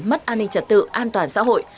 mất an ninh trật tự an toàn xã hội